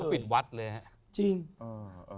เขาปิดวัดเลยครับ